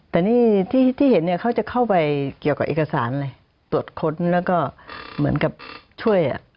แต่นี่ที่เห็นเนี่ยเขาจะเข้าไปเกี่ยวกับเอกสารเลยตรวจค้นแล้วก็เหมือนกับช่วย